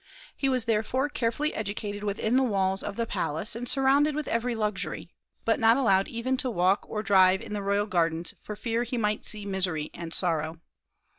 He was therefore carefully educated within the walls of the palace, and surrounded with every luxury, but not allowed even to walk or drive in the royal gardens for fear he might see misery and sorrow.